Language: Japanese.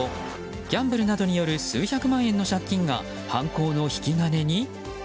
ギャンブルなどによる数百万円の借金が犯行の引き金に？